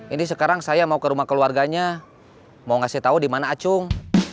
ini sekarang saya mau ke rumah keluarganya mau ngasih tahu di mana acung